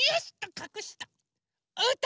かくした。